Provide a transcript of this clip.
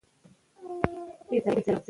مور او پلار ته یې ویل چې نور به داسې نه کېږي.